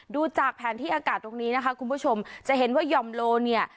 ดูจากแผนที่อากาศตรงนี้นะคะคุณผู้ชมจะเห็นว่ายอมโลเนี่ย